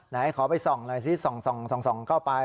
ไหนขอไปส่องหน่อยซิส่องเข้าไป